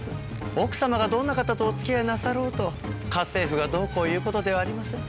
奥様がどんな方とお付き合いなさろうと家政婦がどうこう言う事ではありません。